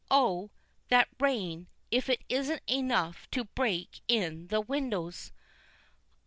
Oh! that rain if it isn't enough to break in the windows.